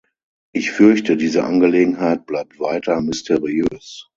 Ich fürchte, diese Angelegenheit bleibt weiter mysteriös.